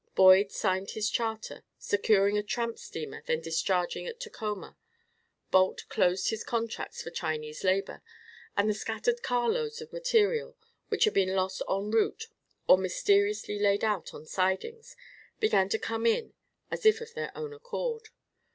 Boyd signed his charter, securing a tramp steamer then discharging at Tacoma. Balt closed his contracts for Chinese labor, and the scattered car loads of material, which had been lost en route or mysteriously laid out on sidings, began to come in as if of their own accord.